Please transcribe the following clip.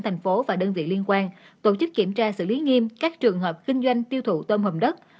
thành phố và đơn vị liên quan tổ chức kiểm tra xử lý nghiêm các trường hợp kinh doanh tiêu thụ tôm hồng đất